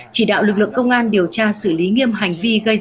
chỉ đạo lực lượng công an điều tra xử lý nghiêm hành vi gây ra cháy rừng